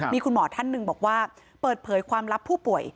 มีคุณหมอท่านหนึ่งบอกว่าเปิดเผยความลับผู้ป่วย